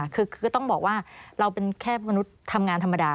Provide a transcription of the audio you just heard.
คือต้องบอกว่าเราเป็นแค่มนุษย์ทำงานธรรมดา